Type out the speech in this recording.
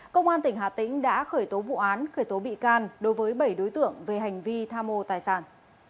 công an tỉnh hà tĩnh đã khởi tố vụ án khởi tố bị can đối với bảy đối tượng về hành vi tham mô tài sản